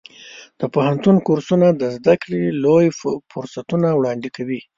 د پوهنتون کورسونه د زده کړې لوی فرصتونه وړاندې کوي.